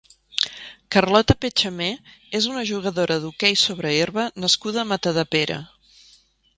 Carlota Petchamé és una jugadora d'hoquei sobre herba nascuda a Matadepera.